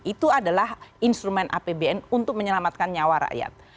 itu adalah instrumen apbn untuk menyelamatkan nyawa rakyat